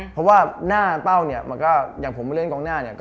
เพราะว่าหน้าเป้าเนี่ยมันก็อย่างผมมาเล่นกองหน้าเนี่ย